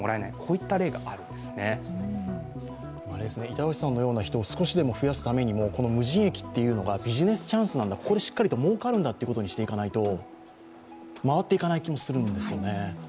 板橋さんのような人を少しでも増やすためにも、無人駅がビジネスチャンスなんだ、ここでしっかりもうかるんだということにしていかないと回っていかない気もするんですよね。